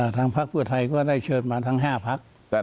ทางภักดิ์เพื่อไทยก็ได้เชิญมาทั้ง๕ภักดิ์